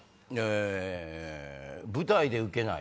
「舞台でうけない」？